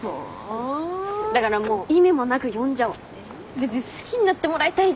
別に好きになってもらいたいとかないもん。